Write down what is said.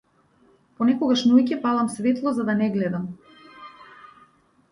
Понекогаш ноќе палам светло за да не гледам.